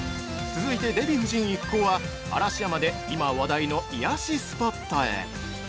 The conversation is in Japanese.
◆続いて、デヴィ夫人一行は嵐山で今話題の癒やしスポットへ。